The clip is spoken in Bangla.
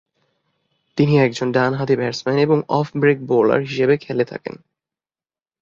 তিনি একজন ডানহাতি ব্যাটসম্যান এবং অফ ব্রেক বোলার হিসেবে খেলে থাকেন।